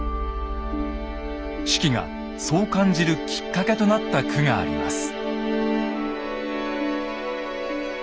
子規がそう感じるきっかけとなった句があります。